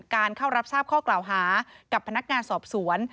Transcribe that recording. เข้ารับทราบข้อกล่าวหากับพนักงานสอบสวน